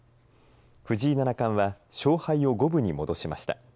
藤井七冠は勝敗を五分に戻しました。